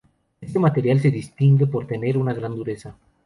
Este material se distingue por tener una gran dureza.